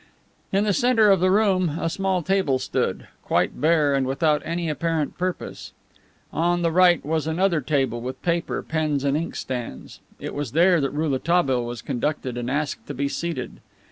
In the center of the room a small table stood, quite bare and without any apparent purpose. On the right was another table with paper, pens and ink stands. It was there that Rouletabille was conducted and asked to be seated.